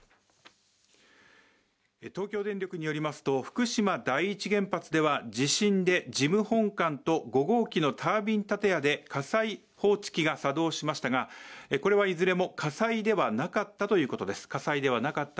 東京電力によりますと福島第１原発では、地震で、事務本館と５号機のタービン建屋で火災報知器が作動しましたがこれはいずれも火災ではなかったということです